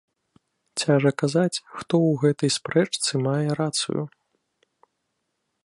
Цяжа казаць, хто ў гэтай спрэчцы мае рацыю.